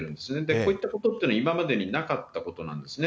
こういったことというのは今までになかったことなんですね。